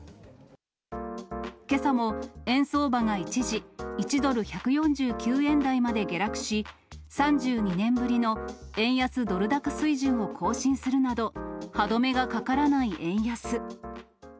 けさも、円相場が一時、１ドル１４９円台まで下落し、３２年ぶりの円安ドル高水準を更新するなど、歯止めがかからない円安。